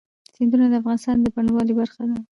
سیندونه د افغانستان د بڼوالۍ برخه ده.